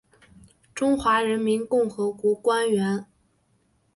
中华人民共和国官员。